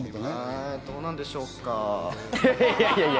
どうなんでしょうか。